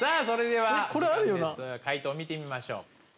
それでは解答見てみましょう。